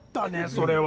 それは。